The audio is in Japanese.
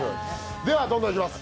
ではどんどんいきます。